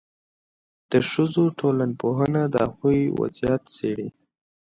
د ښځو ټولنپوهنه د هغوی وضعیت څېړي.